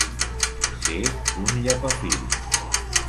Ser un llepafils.